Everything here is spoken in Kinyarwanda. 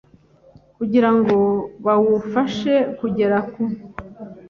kugira ngo bawufashe kugera ku